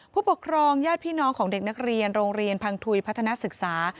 ผู้ปกครองญาติพี่น้องของเด็กนักเรียนโรงเรียนพังทุยพัฒนาศึกษา